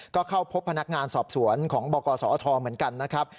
ก็เข้าพบพนักงานสอบสวนของบกศธเหมือนกันนะครับ